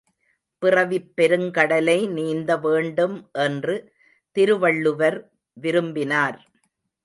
பிறவிப் பெருங்கடலை நீந்த வேண்டும் என்று திருவள்ளுவர் விரும்பினார்.